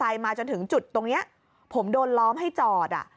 ไปมาจนถึงจุดตรงนี้ผมโดนล้อมให้จอด